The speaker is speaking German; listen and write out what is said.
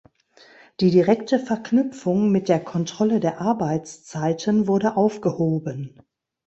Die direkte Verknüpfung mit der Kontrolle der Arbeitszeiten wurde aufgehoben.